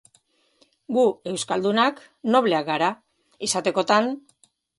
Gu, euskaldunak, nobleak gara, izatekotan!